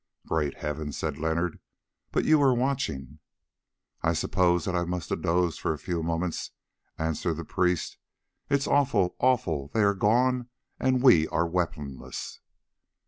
"Great heavens!" said Leonard, "but you were watching." "I suppose that I must have dozed for a few moments," answered the priest; "it is awful, awful; they are gone and we are weaponless."